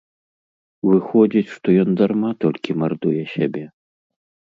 Выходзіць, што ён дарма толькі мардуе сябе?